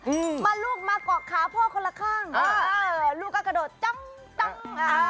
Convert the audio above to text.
มาลูกมากรอกค้าพ่อคนละข้างลูกก็กระโดดจั๊งจั๊ง